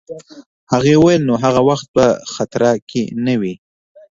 هغې وویل: نو هغه وخت په خطره کي نه وې؟